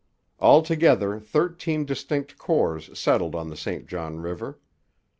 Altogether thirteen distinct corps settled on the St John river.